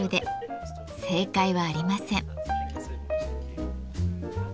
正解はありません。